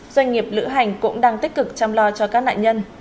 doanh nghiệp lữ hành cũng đang tích cực chăm lo cho các nạn nhân